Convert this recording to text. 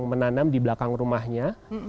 menanam di belakang rumahnya